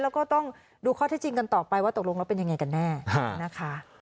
แล้วก็ต้องดูข้อเท็จจริงกันต่อไปว่าตกลงแล้วเป็นยังไงกันแน่นะคะ